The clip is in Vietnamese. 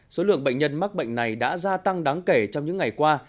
số lượng bệnh nhân mắc bệnh này đã gia tăng đáng kể trong những ngày qua